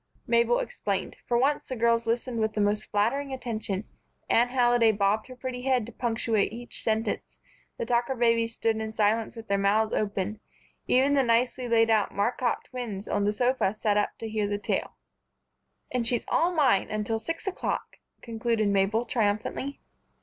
Mabel explained. For once, the girls listened with the most flattering attention. Anne Halliday bobbed her pretty head to punctuate each sentence, the Tucker babies stood in silence with their mouths open, even the nicely laid out Marcotte twins on the sofa sat up to hear the tale. "And she's all mine until six o'clock," concluded Mabel, triumphantly.